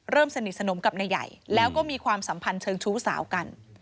สนิทสนมกับนายใหญ่แล้วก็มีความสัมพันธ์เชิงชู้สาวกัน